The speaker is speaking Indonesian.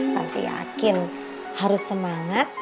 tante yakin harus semangat